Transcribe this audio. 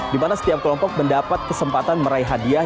dimana setiap kelompok mendapat kesempatan meraih hadiah